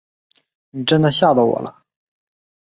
你真的吓到我了